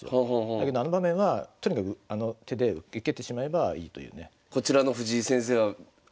だけどあの場面はとにかくあの手で受けてしまえばいいというね。